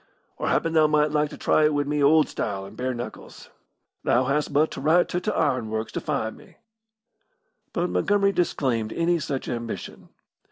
Or happen thou might like to try it wi' me old style and bare knuckles. Thou hast but to write to t' ironworks to find me." But Montgomery disclaimed any such ambition.